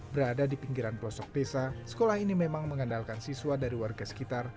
berada di pinggiran pelosok desa sekolah ini memang mengandalkan siswa dari warga sekitar